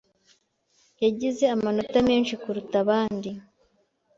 yagize amanota menshi kuruta abandi